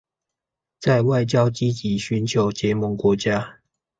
在外交積極尋求結盟國家